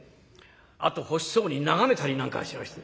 あと欲しそうに眺めたりなんかしまして。